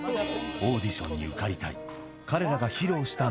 オーディションに受かりたい。